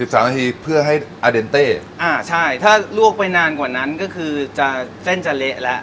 สามนาทีเพื่อให้อเดนเต้อ่าใช่ถ้าลวกไปนานกว่านั้นก็คือจะเส้นจะเละแล้ว